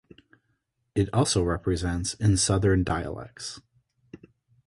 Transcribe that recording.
It also represents in southern dialects.